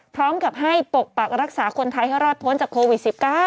พร้อมกับให้ปกปักรักษาคนไทยให้รอดพ้นจากโควิด๑๙